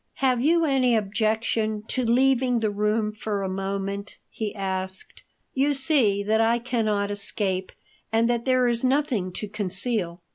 "Have you any objection to leaving the room for a moment?" he asked. "You see that I cannot escape and that there is nothing to conceal."